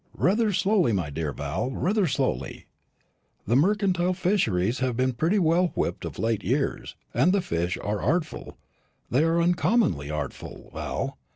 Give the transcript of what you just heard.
"Rather slowly, my dear Val, rather slowly. The mercantile fisheries have been pretty well whipped of late years, and the fish are artful they are uncommonly artful, Val.